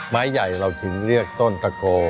ไม้ใหญ่เราถึงเรียกต้นตะโก